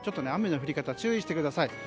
雨の降り方注意してください。